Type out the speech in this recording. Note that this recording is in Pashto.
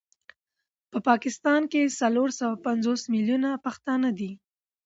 په پاکستان کي څلور سوه پنځوس مليونه پښتانه دي